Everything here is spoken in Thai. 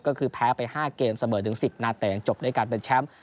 ก็คือแพ้ไป๕เกมเสมอถึง๑๐นาทีแต่ยังจบด้วยการเป็นแชมป์